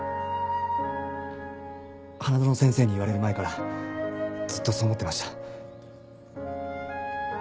花園先生に言われる前からずっとそう思ってました。